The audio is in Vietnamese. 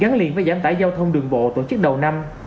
gắn liền với giảm tải giao thông đường bộ tổ chức đầu năm